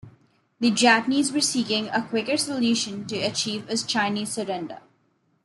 The Japanese were seeking a quicker solution to achieve a Chinese surrender.